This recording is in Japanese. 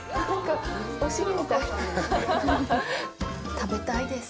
食べたいです。